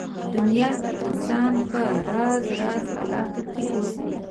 دنيا کې انسان په راز راز حالاتو کې اوسي.